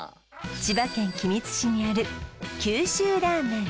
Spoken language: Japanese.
千葉県君津市にある九州ラーメン